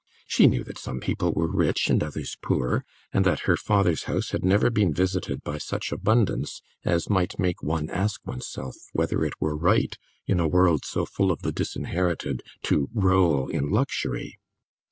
She knew that some people were rich and others poor, and that her father's house had never been visited by such abundance as might make one ask one's self whether it were right, in a world so full of the disinherited, to roll in luxury.